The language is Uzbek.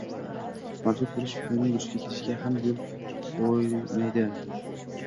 mavjud bo‘lish fikrining vujudga kelishiga ham yo‘l qo‘ymaydi